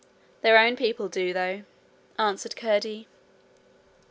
'Their own people do, though,' answered Curdie.